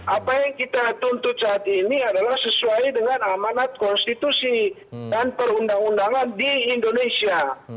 apa yang kita tuntut saat ini adalah sesuai dengan amanat konstitusi dan perundang undangan di indonesia